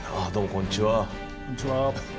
こんにちは。